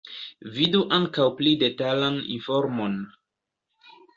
Vidu ankaŭ pli detalan informon.